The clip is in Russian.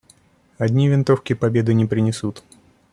Одни винтовки победы не принесут.